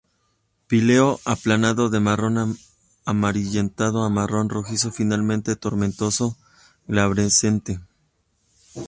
Píleo aplanado, de marrón amarillento a marrón rojizo, finalmente tomentoso, glabrescente.